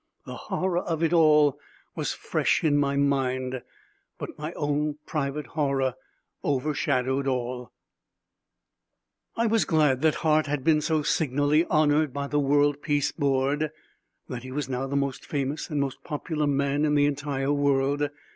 The horror of it all was fresh in my mind, but my own private horror overshadowed all. I was glad that Hart had been so signally honored by the World Peace Board, that he was now the most famous and popular man in the entire world.